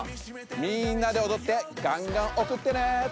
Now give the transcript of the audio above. みんなでおどってがんがんおくってね！